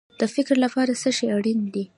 د فکر لپاره څه شی اړین دی؟